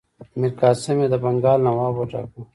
میرقاسم یې د بنګال نواب وټاکه.